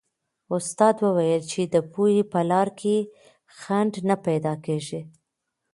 استاد وویل چې د پوهې په لار کې خنډ نه پیدا کېږي.